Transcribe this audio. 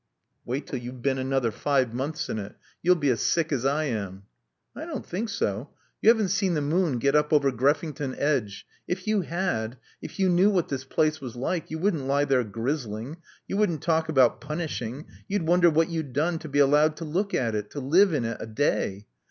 "Wait till you've been another five months in it. You'll be as sick as I am." "I don't think so. You haven't seen the moon get up over Greffington Edge. If you had if you knew what this place was like, you wouldn't lie there grizzling. You wouldn't talk about punishing. You'd wonder what you'd done to be allowed to look at it to live in it a day.